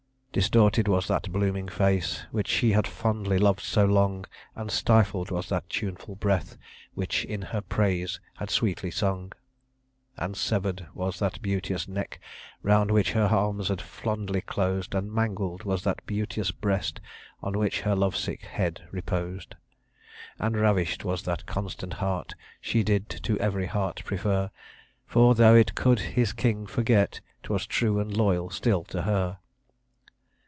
Distorted was that blooming face Which she had fondly loved so long, And stifled was that tuneful breath Which in her praise had sweetly sung; And sever'd was that beauteous neck Round which her arms had fondly closed; And mangled was that beauteous breast On which her love sick head reposed; And ravish'd was that constant heart She did to every heart prefer; For, though it could his king forget, 'Twas true and loyal still to her.